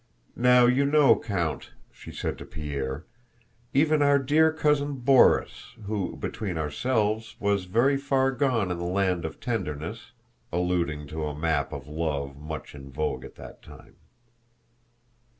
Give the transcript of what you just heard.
Now you know, Count," she said to Pierre, "even our dear cousin Borís, who, between ourselves, was very far gone in the land of tenderness..." (alluding to a map of love much in vogue at that time).